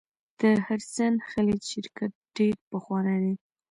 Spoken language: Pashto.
د هډسن خلیج شرکت ډیر پخوانی دی.